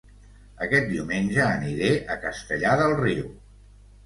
Aquest diumenge aniré a Castellar del Riu